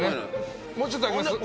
もうちょっと上げます？